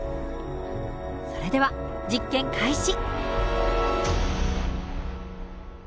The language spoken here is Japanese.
それでは実験開始。